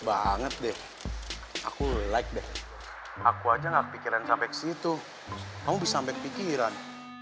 banget deh aku like deh aku aja nggak pikiran sampai situ kamu bisa sampai ke pikiran